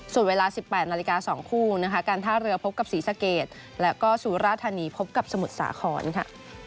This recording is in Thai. ส่วนเวลา๑๘นาฬิกา๒คู่นะคะการท่าเรือพบกับศรีสะเกดแล้วก็สุราธานีพบกับสมุทรสาครค่ะ